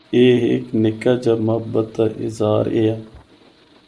ایہہ ہک نکا جا محبت دا اظہار ایہا۔